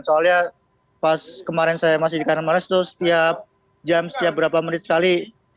soalnya pas kemarin saya masih di kanan males itu setiap jam setiap berapa menit sekali